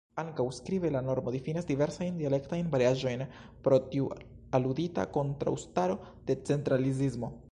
Ankaŭ skribe la normo difinas diversajn dialektajn variaĵojn, pro tiu aludita kontraŭstaro de centralizismo.